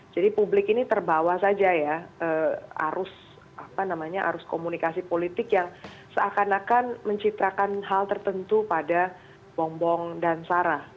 jadi publik ini terbawa saja ya arus komunikasi politik yang seakan akan mencitrakan hal tertentu pada bom bom dan sarah